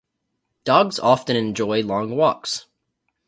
Dogs often enjoy long walks.